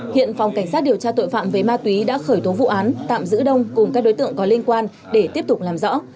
hiện phòng cảnh sát điều tra tội phạm về ma túy đã khởi tố vụ án tạm giữ đông cùng các đối tượng có liên quan để tiếp tục làm rõ